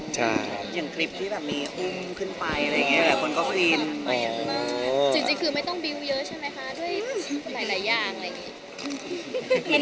อย่างคลิปที่มีฮุมขึ้นไปคนก็กลิ่น